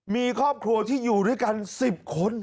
มีครอบครัวที่อยู่ด้วยกัน๑๐คน